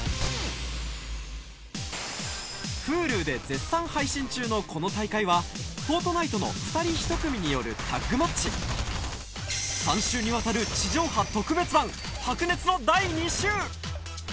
Ｈｕｌｕで絶賛配信中のこの大会はフォートナイトの２人１組によるタッグマッチ３週にわたる地上波特別版白熱の第２週！